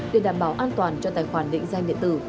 để đảm bảo an toàn cho tài khoản định danh điện tử